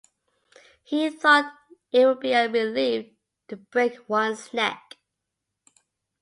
He thought it would be a relief to break one’s neck.